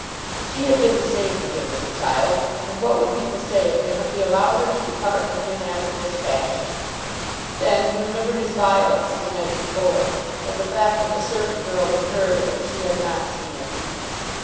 She had been the same to him as a child, and what would people say of him if he allowed her to depart from him after this fashion? Then he remembered his violence the night before, and the fact that the servant girl had heard if she had not seen it.